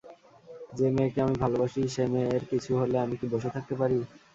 যে মেয়েকে আমি ভালোবাসি, সে মেয়ের কিছু হলে আমি কি বসে থাকতে পারি?